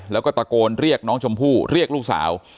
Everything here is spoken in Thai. แล้วก็ตะโกนเรียกน้องชมพู่เรียกลูกสาว